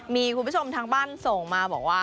มีคุณผู้ชมทางบ้านส่งมาบอกว่า